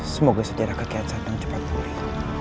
semoga sejarah kekiat satang cepat pulih